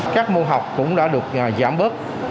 các môn học cũng đã được giảm bớt